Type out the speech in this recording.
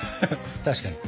確かに。